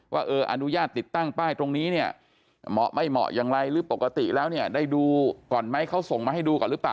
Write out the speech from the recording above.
ว่าเอออนุญาตติดตั้งป้ายตรงนี้เนี่ยเหมาะไม่เหมาะอย่างไรหรือปกติแล้วเนี่ยได้ดูก่อนไหมเขาส่งมาให้ดูก่อนหรือเปล่า